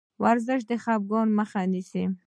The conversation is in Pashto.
ورزش د خفګان مخه نیسي.